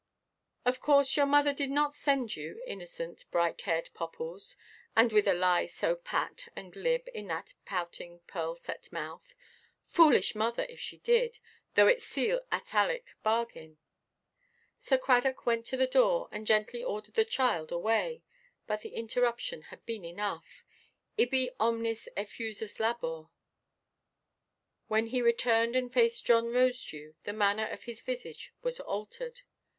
Of course your mother did not send you, innocent bright–haired popples, and with a lie so pat and glib in that pouting pearl–set mouth. Foolish mother, if she did, though it seal Attalic bargain! Sir Cradock went to the door, and gently ordered the child away. But the interruption had been enough—ibi omnis effusus labor. When he returned and faced John Rosedew the manner of his visage was altered.